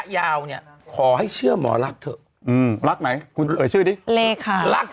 ยาวเนี่ยขอให้เชื่อหมอรักที่รักไหนคุณเอ๋อเชื่อดิเลขารัก